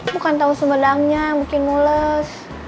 bukan tahu sumedangnya yang bikin mules